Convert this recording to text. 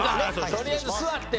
とりあえずすわって。